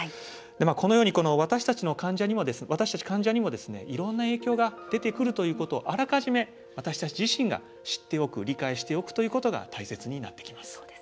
このように私たち患者にもいろんな影響が出てくるということをあらかじめ私たち自身が知っておく理解しておくということが大切になってきます。